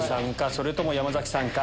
それとも山さんか？